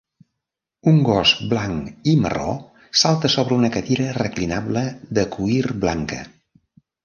Un gos blanc i marró salta sobre una cadira reclinable de cuir blanca.